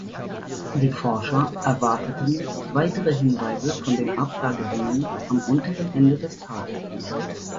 Die Forscher erwarteten weitere Hinweise von den Ablagerungen am unteren Ende des Tals.